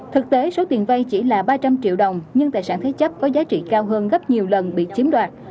thực tế số tiền vay chỉ là ba trăm linh triệu đồng nhưng tài sản thế chấp có giá trị cao hơn gấp nhiều lần bị chiếm đoạt